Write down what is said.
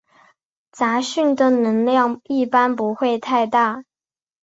杂讯的能量一般不会太大。